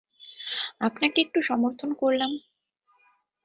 আপনাকে একটু সমর্থন করলাম।